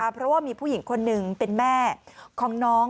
เพราะว่ามีผู้หญิงคนหนึ่งเป็นแม่ของน้อง